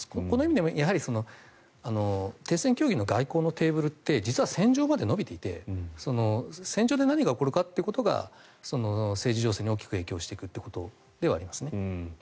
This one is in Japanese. この意味でも停戦協議の外交のテーブルって実は戦場まで延びていて戦場で何が起こるかということが政治情勢に大きく影響していくということではありますね。